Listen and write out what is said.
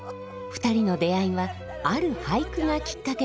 ２人の出会いはある俳句がきっかけでした。